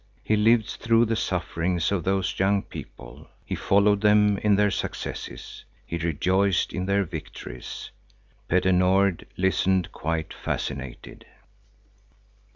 He lived through the sufferings of those young people; he followed them in their successes; he rejoiced in their victories. Petter Nord listened quite fascinated.